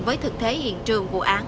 với thực thế hiện trường vụ án